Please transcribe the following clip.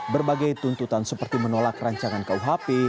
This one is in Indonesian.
berbagai tuntutan seperti menolak rancangan kuhp